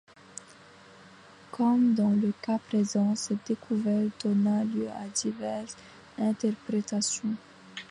Comme dans le cas présent, cette découverte donna lieu à diverses interprétations.